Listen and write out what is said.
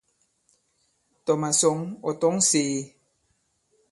Tɔ̀ màsɔ̌ŋ ɔ̀ tɔ̌ŋ sēē.